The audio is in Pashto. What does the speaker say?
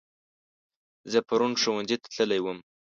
زه پرون ښوونځي ته تللی وم